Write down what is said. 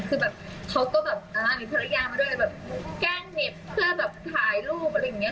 คือเขาก็มีภรรยามาด้วยแกล้งเหน็บเพื่อถ่ายรูปอะไรอย่างนี้